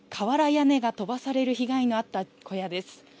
瓦屋根が飛ばされる被害があった小屋です。